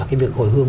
cái việc hồi hương